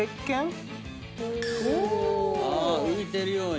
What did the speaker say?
浮いてるように。